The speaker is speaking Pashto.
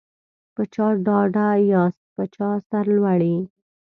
په چا ډاډه یاست په چا سرلوړي